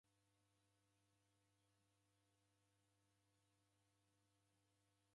Waendeshagha w'atalii kireti cha nyamandu.